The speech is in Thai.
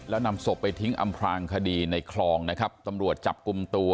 แล้วนำศพไปทิ้งอำพลางคดีในคลองนะครับตำรวจจับกลุ่มตัว